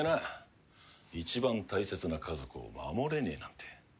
一番大切な家族を守れねえなんて。